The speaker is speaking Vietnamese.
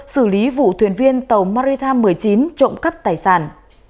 xử lý vụ thuyền viên tàu marita một mươi chín trộm cắp tài sản